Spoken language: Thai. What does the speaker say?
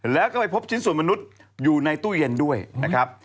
แล้วก็ไปพบชิ้นส่วนมนุษย์อยู่ในตู้เย็นด้วยนะครับ